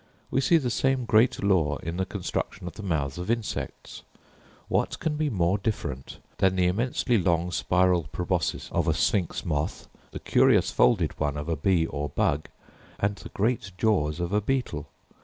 We see the same great law in the construction of the mouths of insects: what can be more different than the immensely long spiral proboscis of a sphinx moth, the curious folded one of a bee or bug, and the great jaws of a beetle?